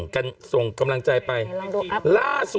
กล้องกว้างอย่างเดียว